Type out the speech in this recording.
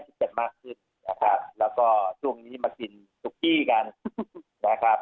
สิบเจ็ดมากขึ้นนะครับแล้วก็ช่วงนี้มากินซุกกี้กันนะครับ